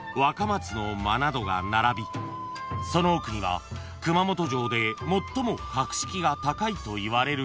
並びその奥には熊本城で最も格式が高いといわれる部屋が］